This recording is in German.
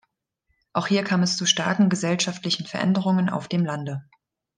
Auch hier kam es zu starken gesellschaftlichen Veränderungen auf dem Lande.